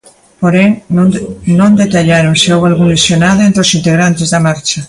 Porén, non detallaron se houbo algún lesionado entre os integrantes da marcha.